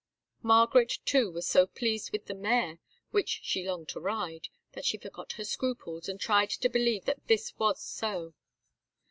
Margaret, too, was so pleased with the mare, which she longed to ride, that she forgot her scruples, and tried to believe that this was so.